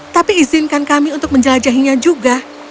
tapi izinkan kami untuk menjelajahinya juga